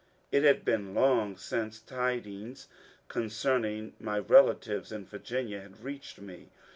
It had been long since tidings ooncerning my relatives in Virginia had reached me.